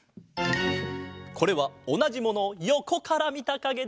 これはおなじものをよこからみたかげだ。